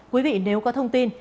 quý vị nếu có thông tin